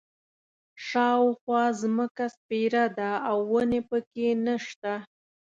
شاوخوا ځمکه سپېره ده او ونې په کې نه شته.